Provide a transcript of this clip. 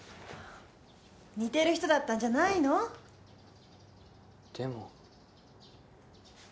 似てる人だったんじゃないの？でも。